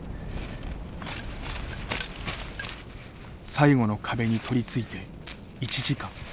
最後の壁に取りついて１時間。